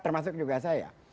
termasuk juga saya